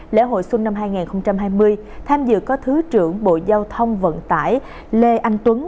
lễ hội xuân năm hai nghìn hai mươi tham dự có thứ trưởng bộ giao thông vận tải lê anh tuấn